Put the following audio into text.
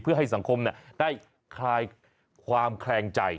เพื่อให้สังคมได้คลายความแคลงใจ